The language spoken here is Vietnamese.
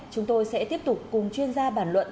chúng tôi sẽ tiếp tục cùng chuyên gia bản luận